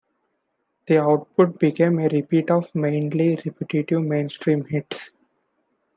The output became a repeat of mainly repetitive mainstream hits.